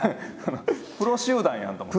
プロ集団やんと思って。